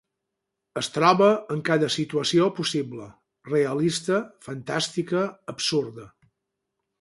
Es troba en cada situació possible: realista, fantàstica, absurda.